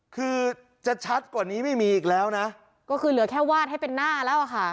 คือจะชัดกว่านี้ไม่มีอีกแล้วนะก็คือเหลือแค่วาดให้เป็นหน้าแล้วอะค่ะ